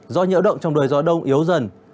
do nhiễu động trong đời gió đông yếu dần